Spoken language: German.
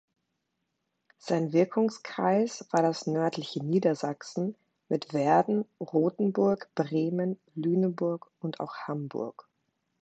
Sein Wirkungskreis war das nördliche Niedersachsen mit Verden, Rotenburg, Bremen, Lüneburg und auch Hamburg.